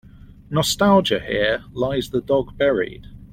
Nostalgia Here lies the dog buried.